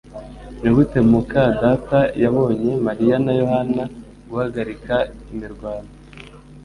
Nigute muka data yabonye Mariya na Yohana guhagarika imirwano?